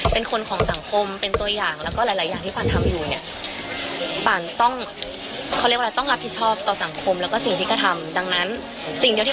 เป็นซอมบี้